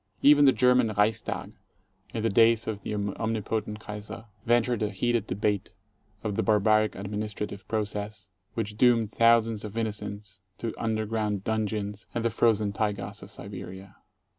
Even the German Reichstag, in the days of the omni potent Kaiser, ventured a heated debate of the barbaric admin istrative process which doomed thousands of innocents to under ground dungeons and the frozen taigas of Siberia.